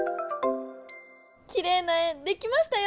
きれいな円できましたよ！